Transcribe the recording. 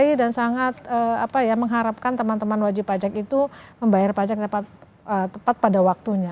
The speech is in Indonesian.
kami dan sangat mengharapkan teman teman wajib pajak itu membayar pajak tepat pada waktunya